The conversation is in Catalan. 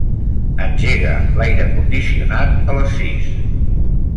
Engega l'aire condicionat a les sis.